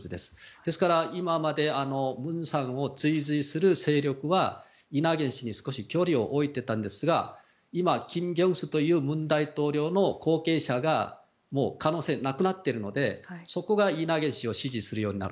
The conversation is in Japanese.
ですから今まで文さんを追随する勢力はイ・ナギョン氏に少し距離を置いていたんですが今キム・ギョンスという後継者が可能性なくなっているのでそこがイ・ナギョン氏を支持するようになる。